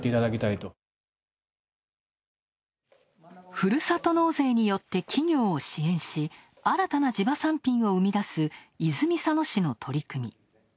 ふるさと納税によって企業を支援し新たな地場産品を生み出す泉佐野市の取り組み。